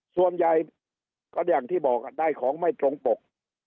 ส่วนใหญ่ก็อย่างที่บอกได้ของไม่ตรงปก